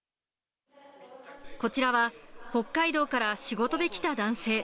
こちらは北海道から仕事で来た男性。